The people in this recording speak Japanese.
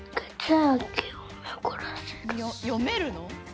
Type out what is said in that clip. よめるの？